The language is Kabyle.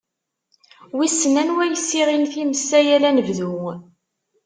Wissen anwa yessiɣin times-a yal anebdu!